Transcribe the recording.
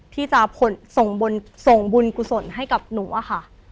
ที่จะส่งบุญกุศลให้กับหนูอะค่ะ